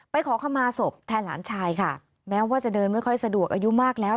ขอขมาศพแทนหลานชายค่ะแม้ว่าจะเดินไม่ค่อยสะดวกอายุมากแล้ว